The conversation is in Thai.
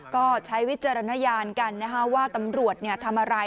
ก็ใช้วิจารณญาณกันว่าตำรวจทำอะไร